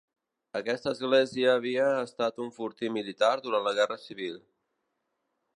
Aquesta església havia estat un fortí militar durant la guerra civil.